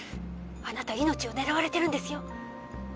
あなた命を狙われてるんですよ。